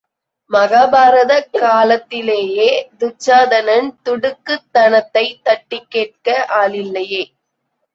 மகாபாரத காலத்திலேயே துச்சாதனன் துடுக்குத் தனத்தைத் தட்டிக் கேட்க ஆளில்லையே!